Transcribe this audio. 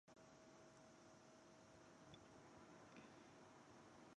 猛隼为隼科隼属的鸟类。